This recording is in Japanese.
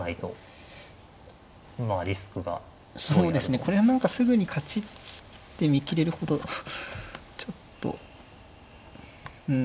これは何かすぐに勝ちって見切れるほどちょっとうん。